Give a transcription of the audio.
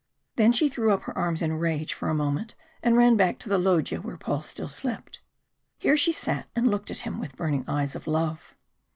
Then she threw up her arms in rage for a moment, and ran back to the loggia where Paul still slept. Here she sat and looked at him with burning eyes of love.